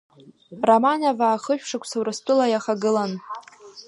Романоваа хышә шықәса Урыстәыла иахагылан.